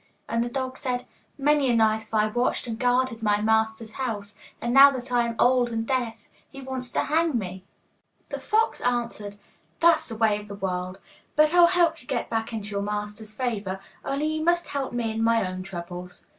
And the dog said, 'Many a night have I watched and guarded my master's house, and now that I am old and deaf, he wants to hang me.' The fox answered, 'That's the way of the world. But I'll help you to get back into your master's favour, only you must first help me in my own troubles.